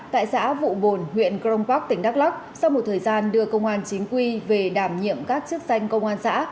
tại xã vụ bồn huyện crong park tỉnh đắk lắc sau một thời gian đưa công an chính quy về đảm nhiệm các chức danh công an xã